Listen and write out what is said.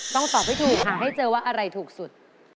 ต้องตอบให้ถูกค่ะให้เจอว่าอะไรถูกสุด